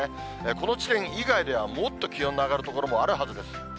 この地点以外ではもっと気温の上がる所もあるはずです。